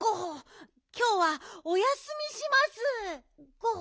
ゴホ！